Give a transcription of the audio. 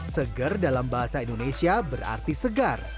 seger dalam bahasa indonesia berarti segar